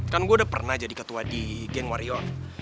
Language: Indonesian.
kan gue udah pernah jadi ketua di geng warrior